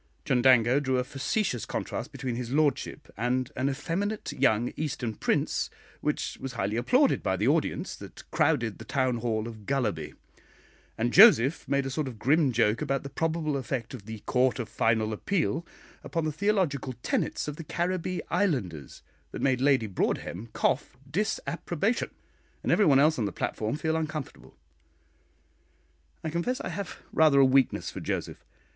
Chundango drew a facetious contrast between his lordship and an effeminate young Eastern prince, which was highly applauded by the audience that crowded the town hall of Gullaby; and Joseph made a sort of grim joke about the probable effect of the "Court of Final Appeal" upon the theological tenets of the Caribbee Islanders, that made Lady Broadhem cough disapprobation, and everybody else on the platform feel uncomfortable. I confess I have rather a weakness for Joseph.